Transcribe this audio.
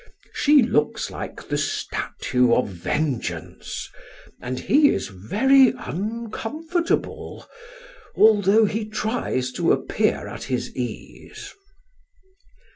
She looks like the statue of vengeance, and he is very uncomfortable, although he tries to appear at his ease."